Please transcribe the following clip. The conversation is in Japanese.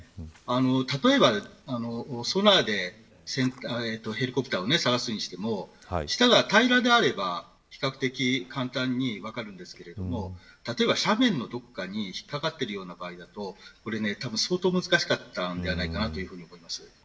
例えばソナーでヘリコプターを探すにしても下が平であれば比較的簡単に分かるんですが斜面のどこかに引っかかっている場合だと相当難しかったんじゃないかなと思います。